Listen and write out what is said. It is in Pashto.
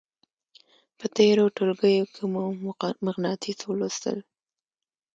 په تېرو ټولګیو کې مو مقناطیس ولوستل.